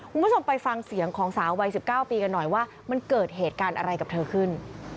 คุณผู้ชมไปฟังเสียงของสาววัย๑๙ปีกันหน่อยว่ามันเกิดเหตุการณ์อะไรกับเธอขึ้น